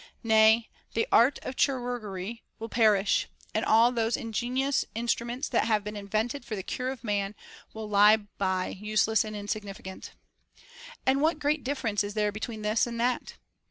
Nay, the art of chirurgery will perish, and all those ingenious instruments that have been invented for the cure of man will lie by useless and insignificant. And what great difference is there between this and that